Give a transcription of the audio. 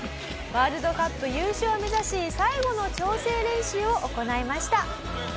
ワールドカップ優勝を目指し最後の調整練習を行いました。